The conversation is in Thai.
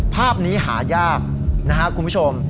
ภาพนี้หายากนะครับคุณผู้ชม